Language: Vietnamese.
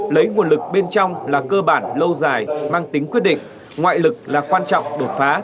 lấy nguồn lực bên trong là cơ bản lâu dài mang tính quyết định ngoại lực là quan trọng đột phá